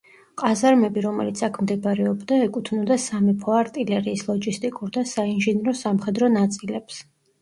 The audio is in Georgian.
ყაზარმები, რომელიც აქ მდებარეობდა ეკუთვნოდა სამეფო არტილერიის, ლოჯისტიკურ და საინჟინრო სამხედრო ნაწილებს.